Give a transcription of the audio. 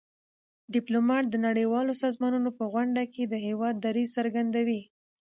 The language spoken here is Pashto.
ډيپلومات د نړیوالو سازمانونو په غونډو کي د هېواد دریځ څرګندوي.